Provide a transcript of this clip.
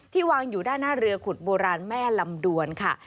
วางอยู่ด้านหน้าเรือขุดโบราณแม่ลำดวนค่ะ